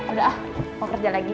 udah ah mau kerja lagi